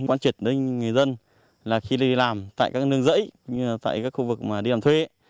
quan trị đến người dân là khi đi làm tại các nương rẫy tại các khu vực mà đi làm thuê